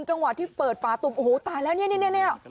จังหวะที่เปิดฝาตุ่มโอ้โหตายแล้วเนี่ย